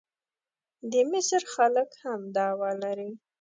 د مصر خلک هم دعوه لري.